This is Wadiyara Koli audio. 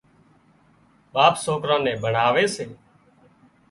ٻاپ سوڪران نين ڀڻاوي سي